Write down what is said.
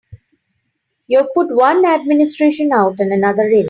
You've put one administration out and another in.